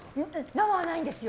生はないんですよ。